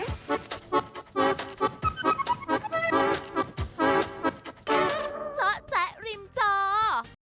อุ้ยเป็นน่ารักน่าเอ็นดูครอบครัวสุขสั่นเว่อ